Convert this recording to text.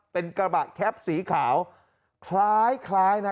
เป็นกระบะแคปสีขาวคล้ายนะ